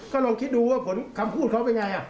ก็ลองคิดดูว่าผลคำพูดเขาเป็นไง